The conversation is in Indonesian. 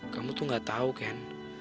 kamu tuh gak tau ken